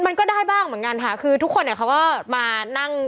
มันก็ได้บ้างเหมือนกันค่ะคือทุกคนเนี่ยเขาก็มานั่ง